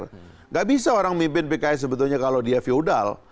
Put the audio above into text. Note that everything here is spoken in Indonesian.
tidak bisa orang mimpin pks sebetulnya kalau dia feodal